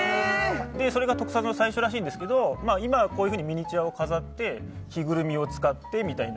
それが特撮の最初だといわれてるんですけど今はこういうふうにミニチュアを飾って着ぐるみを使ってみたいな。